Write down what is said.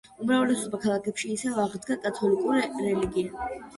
უმრავლესობა ქალაქებში ისევ აღდგა კათოლიკური რელიგია.